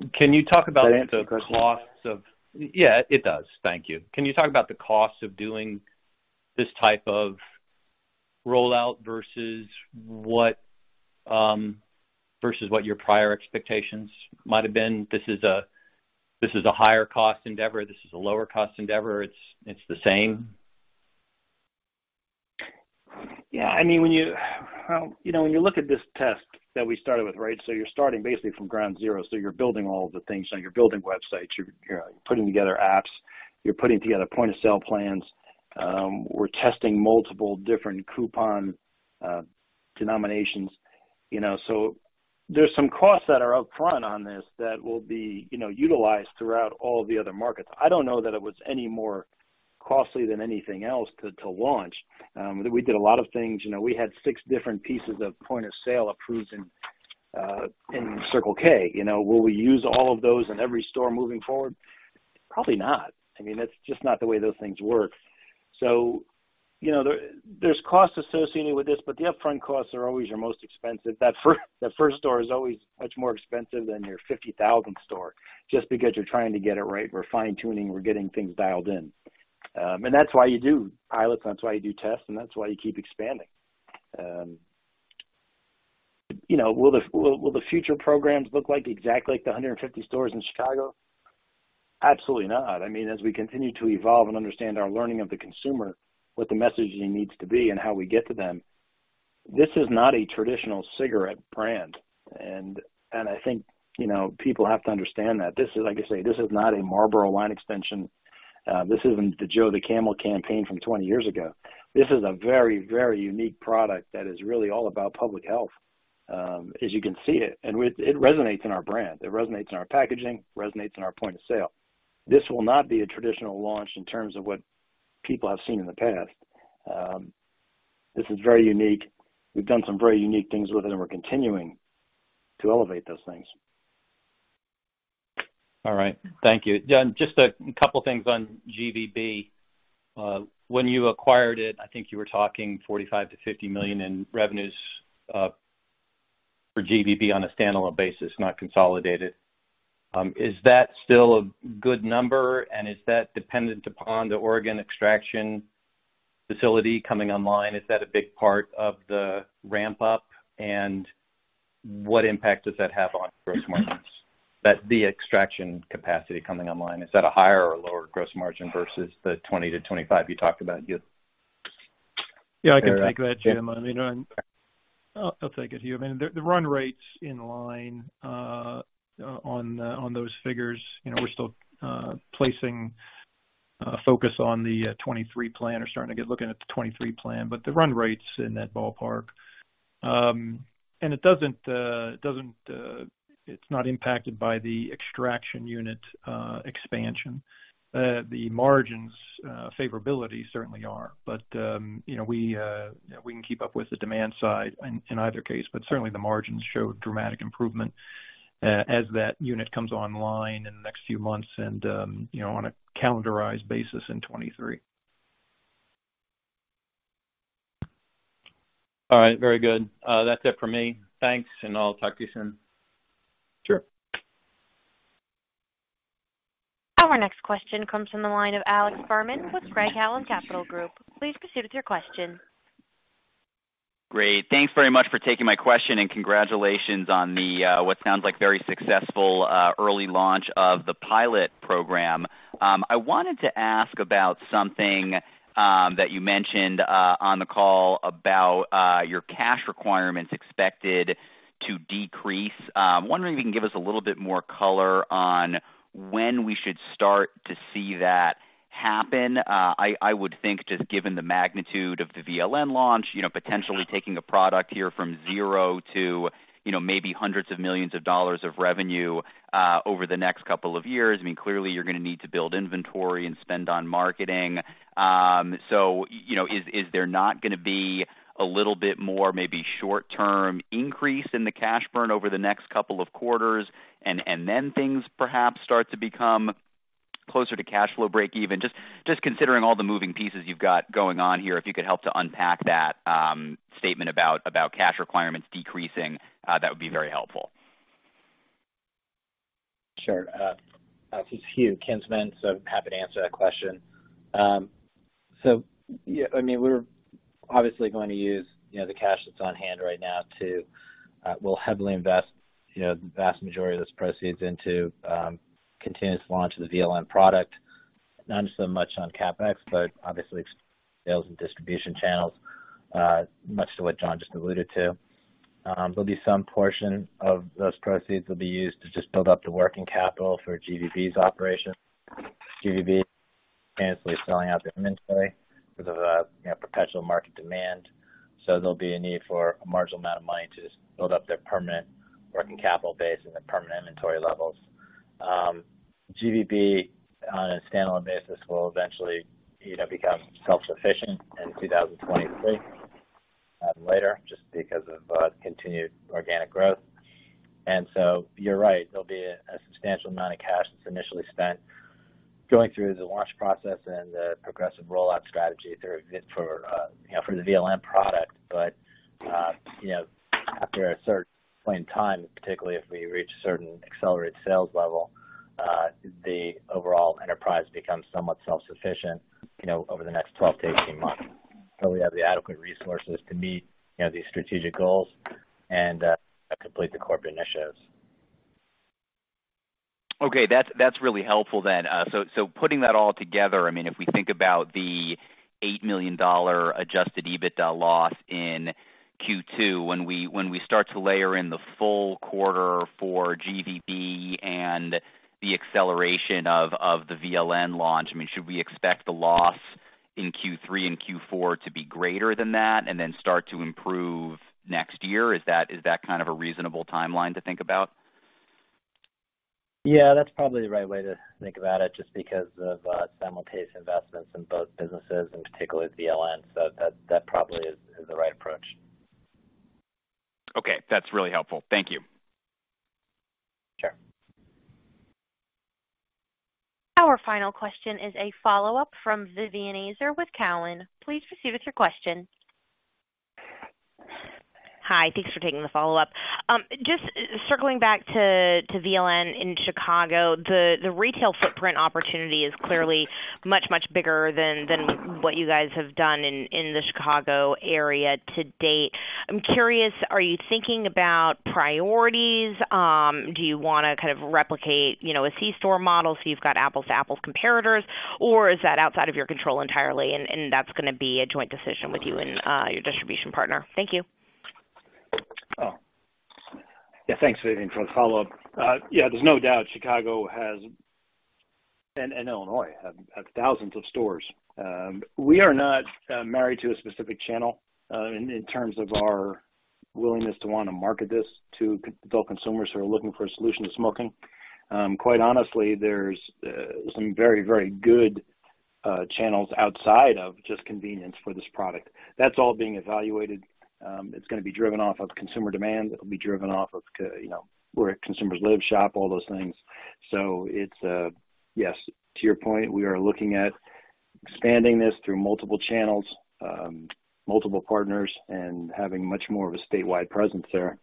it does. Thank you. Can you talk about the cost of doing this type of rollout versus what your prior expectations might have been? This is a higher cost endeavor, this is a lower cost endeavor, it's the same? Yeah. I mean, you know, when you look at this test that we started with, right? You're starting basically from ground zero, so you're building all of the things. You're building websites, you're putting together apps, you're putting together point-of-sale plans. We're testing multiple different coupon denominations, you know. There's some costs that are up front on this that will be, you know, utilized throughout all the other markets. I don't know that it was any more costly than anything else to launch. We did a lot of things. You know, we had six different pieces of point of sale approved in Circle K. You know, will we use all of those in every store moving forward? Probably not. I mean, that's just not the way those things work. You know, there's costs associated with this, but the upfront costs are always your most expensive. That first store is always much more expensive than your 50,000th store, just because you're trying to get it right. We're fine-tuning, we're getting things dialed in. That's why you do pilots, and that's why you do tests, and that's why you keep expanding. You know, will the future programs look like exactly like the 150 stores in Chicago? Absolutely not. I mean, as we continue to evolve and understand our learning of the consumer, what the messaging needs to be and how we get to them, this is not a traditional cigarette brand. I think, you know, people have to understand that. This is, like I say, this is not a Marlboro line extension. This isn't the Joe Camel campaign from 20 years ago. This is a very, very unique product that is really all about public health, as you can see it. It resonates in our brand. It resonates in our packaging, resonates in our point of sale. This will not be a traditional launch in terms of what people have seen in the past. This is very unique. We've done some very unique things with it, and we're continuing to elevate those things. All right. Thank you. Just a couple things on GVB. When you acquired it, I think you were talking $45 million-$50 million in revenues for GVB on a standalone basis, not consolidated. Is that still a good number, and is that dependent upon the Oregon extraction facility coming online? Is that a big part of the ramp-up? What impact does that have on gross margins? That the extraction capacity coming online, is that a higher or a lower gross margin versus the 20%-25% you talked about yet? Yeah, I can take that, Jim. I mean, I'll take it, Hugh. I mean, the run rate's in line on those figures. You know, we're still placing focus on the 2023 plan or starting to get looking at the 2023 plan. The run rate's in that ballpark. It's not impacted by the extraction unit expansion. The margins favorability certainly are. You know, we can keep up with the demand side in either case. Certainly the margins show dramatic improvement as that unit comes online in the next few months and, you know, on a calendarized basis in 2023. All right, very good. That's it for me. Thanks, and I'll talk to you soon. Sure. Our next question comes from the line of Alex Fuhrman with Craig-Hallum Capital Group. Please proceed with your question. Great. Thanks very much for taking my question, and congratulations on the what sounds like very successful early launch of the pilot program. I wanted to ask about something that you mentioned on the call about your cash requirements expected to decrease. Wondering if you can give us a little bit more color on when we should start to see that happen. I would think just given the magnitude of the VLN launch, you know, potentially taking a product here from zero to, you know, maybe hundreds of millions of dollars of revenue over the next couple of years. I mean, clearly you're gonna need to build inventory and spend on marketing. You know, is there not gonna be a little bit more maybe short-term increase in the cash burn over the next couple of quarters, and then things perhaps start to become closer to cash flow break-even? Just considering all the moving pieces you've got going on here, if you could help to unpack that statement about cash requirements decreasing, that would be very helpful. Sure. This is Hugh Kinsman, so happy to answer that question. I mean, we're obviously going to use, you know, the cash that's on hand right now. We'll heavily invest, you know, the vast majority of those proceeds into continuous launch of the VLN product. Not so much on CapEx, but obviously sales and distribution channels, much to what John just alluded to. There'll be some portion of those proceeds will be used to just build up the working capital for GVB's operation. GVB constantly selling out their inventory because of, you know, perpetual market demand. There'll be a need for a marginal amount of money to just build up their permanent working capital base and their permanent inventory levels. GVB on a standalone basis will eventually, you know, become self-sufficient in 2023, later just because of continued organic growth. You're right, there'll be a substantial amount of cash that's initially spent going through the launch process and the progressive rollout strategy through, for, you know, for the VLN product. You know, after a certain point in time, particularly if we reach a certain accelerated sales level, the overall enterprise becomes somewhat self-sufficient, you know, over the next 12-18 months. We have the adequate resources to meet, you know, these strategic goals and complete the corporate initiatives. Okay. That's really helpful then. So putting that all together, I mean, if we think about the $8 million adjusted EBITDA loss in Q2, when we start to layer in the full quarter for GVB and the acceleration of the VLN launch, I mean, should we expect the loss in Q3 and Q4 to be greater than that and then start to improve next year? Is that kind of a reasonable timeline to think about? Yeah, that's probably the right way to think about it just because of simultaneous investments in both businesses and particularly VLN. That probably is the right approach. Okay. That's really helpful. Thank you. Sure. Our final question is a follow-up from Vivien Azer with Cowen. Please proceed with your question. Hi. Thanks for taking the follow-up. Just circling back to VLN in Chicago. The retail footprint opportunity is clearly much bigger than what you guys have done in the Chicago area to date. I'm curious, are you thinking about priorities? Do you wanna kind of replicate, you know, a C-store model so you've got apples to apples comparators, or is that outside of your control entirely and that's gonna be a joint decision with you and your distribution partner? Thank you. Yeah, thanks, Vivien, for the follow-up. Yeah, there's no doubt Chicago has, and Illinois have thousands of stores. We are not married to a specific channel, in terms of our willingness to wanna market this to adult consumers who are looking for a solution to smoking. Quite honestly, there's some very good channels outside of just convenience for this product. That's all being evaluated. It's gonna be driven off of consumer demand. It'll be driven off of, you know, where consumers live, shop, all those things. Yes, to your point, we are looking at expanding this through multiple channels, multiple partners and having much more of a statewide presence there.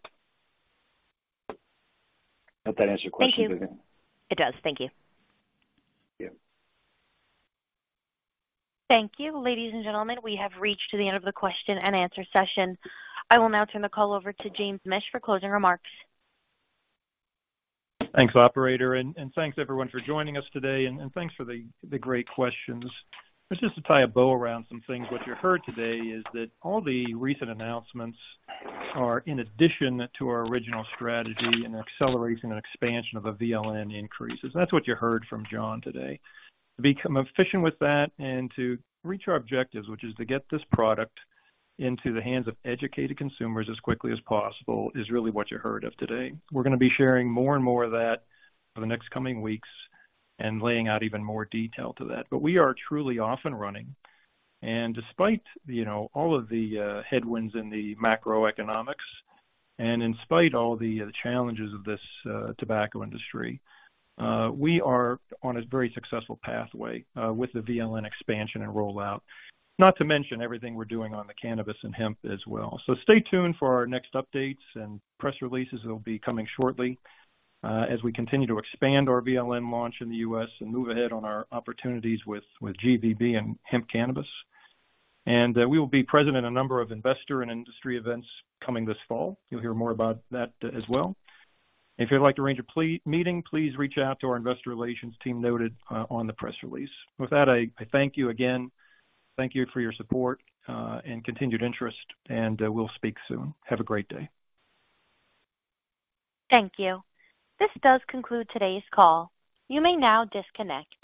Hope that answers your question, Vivien. Thank you. It does. Thank you. Yeah. Thank you. Ladies and gentlemen, we have reached to the end of the question and answer session. I will now turn the call over to James Mish for closing remarks. Thanks, operator. Thanks everyone for joining us today and thanks for the great questions. Just to tie a bow around some things, what you heard today is that all the recent announcements are in addition to our original strategy and accelerating an expansion of the VLN increases. That's what you heard from John today. To become efficient with that and to reach our objectives, which is to get this product into the hands of educated consumers as quickly as possible, is really what you heard today. We're gonna be sharing more and more of that over the next coming weeks and laying out even more detail to that. We are truly off and running, and despite, you know, all of the headwinds in the macroeconomic and in spite of all the challenges of this tobacco industry, we are on a very successful pathway with the VLN expansion and rollout. Not to mention everything we're doing on the cannabis and hemp as well. Stay tuned for our next updates and press releases that'll be coming shortly as we continue to expand our VLN launch in the U.S. and move ahead on our opportunities with GVB and hemp cannabis. We will be present at a number of investor and industry events coming this fall. You'll hear more about that as well. If you'd like to arrange a meeting, please reach out to our investor relations team noted on the press release. With that, I thank you again. Thank you for your support and continued interest, and we'll speak soon. Have a great day. Thank you. This does conclude today's call. You may now disconnect.